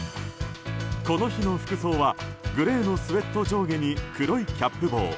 この日の服装はグレーのスウェット上下に黒いキャップ帽。